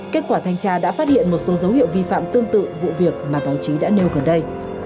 kết quả thanh tra đã phát hiện một số dấu hiệu vi phạm tương tự vụ việc mà báo chí đã nêu gần đây